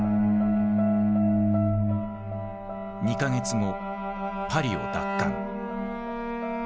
２か月後パリを奪還。